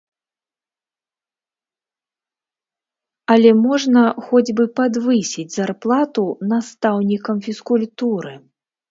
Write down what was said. Але можна хоць бы падвысіць зарплату настаўнікам фізкультуры?